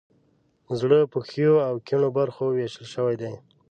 زړه په ښیو او کیڼو برخو ویشل شوی دی.